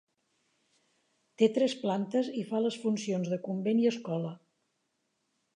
Té tres plantes i fa les funcions de convent i escola.